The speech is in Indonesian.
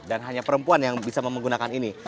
dan hanya perempuan yang bisa menggunakan ini